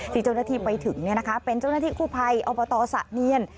ที่เจ้าหน้าที่ไปถึงเป็นเจ้าหน้าที่กู้ภัยอบตสะเนียน